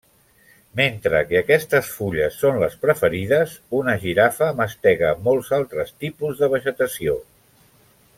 Mentre que aquestes fulles són les preferides, una girafa mastega molts altres tipus de vegetació.